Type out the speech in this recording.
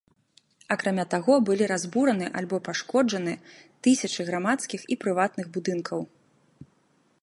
Акрамя таго, былі разбураны альбо пашкоджаны тысячы грамадскіх і прыватных будынкаў.